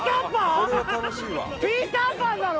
ピーターパンなの？